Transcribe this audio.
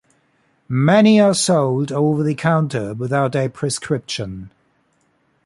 Many are sold over-the-counter without a prescription.